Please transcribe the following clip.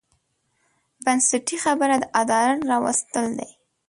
بنسټي خبره یې د عدالت راوستل دي.